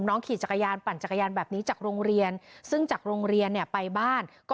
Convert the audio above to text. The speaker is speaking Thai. น้องขี่จักรยานปั่นจักรยานแบบนี้จากโรงเรียน